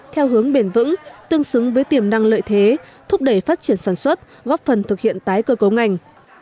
theo hướng bền vững tương xứng với tiềm năng lợi thế thúc đẩy phát triển sản xuất góp phần thực hiện tái cơ cấu ngành